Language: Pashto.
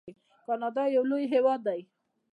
کاناډا یو لوی هیواد دی.